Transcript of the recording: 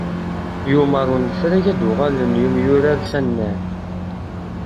Yumer unefray ad d-uɣalen yemyurar s annar.